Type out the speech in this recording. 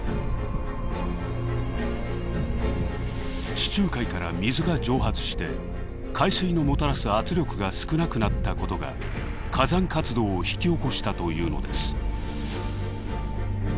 地中海から水が蒸発して海水のもたらす圧力が少なくなったことが火山活動を引き起こしたというのです。